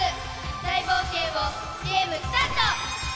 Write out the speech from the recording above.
大冒険をゲームスタート！